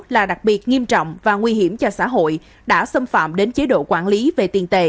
là đặc biệt nghiêm trọng và nguy hiểm cho xã hội đã xâm phạm đến chế độ quản lý về tiền tệ